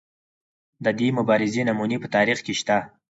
د دې مبارزې نمونې په تاریخ کې شته.